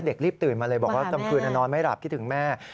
เด็กรีบตื่นมาเลยบอกว่านอนไม่หลับคิดถึงแม่